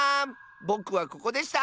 ぼくはここでした！